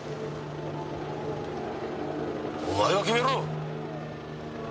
お前が決めろ！